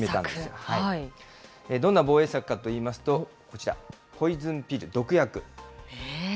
どんな防衛策かといいますと、こちら、ポイズンピル・毒薬。